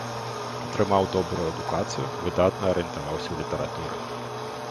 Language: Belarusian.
Атрымаў добрую адукацыю, выдатна арыентаваўся ў літаратуры.